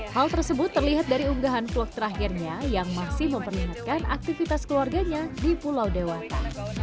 hal tersebut terlihat dari unggahan vlog terakhirnya yang masih memperlihatkan aktivitas keluarganya di pulau dewata